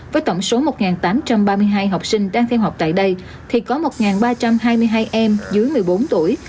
với tổng số một tám trăm ba mươi hai học sinh đang theo học tại đây thì có một ba trăm hai mươi hai em dưới một mươi bốn tuổi